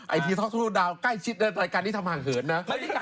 ไอพีท็อตศูนย์ดาวน์ใกล้ชิดด้านรายการที่ทำห่างเหินนะ